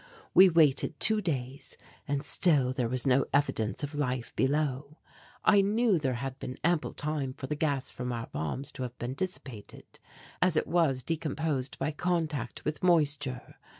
We waited two days and still there was no evidence of life below. I knew there had been ample time for the gas from our bombs to have been dissipated, as it was decomposed by contact with moisture.